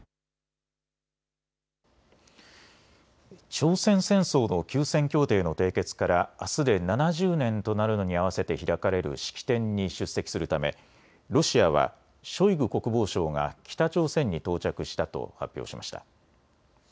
朝鮮戦争の休戦協定の締結からあすで７０年となるのに合わせて開かれる式典に出席するためロシアはショイグ国防相が北朝鮮に到着したと発表しました。